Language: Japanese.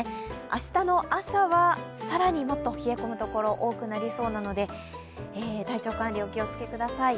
明日の朝は更にもっと冷え込むところが多くなりそうなので、体調管理、お気を付けください。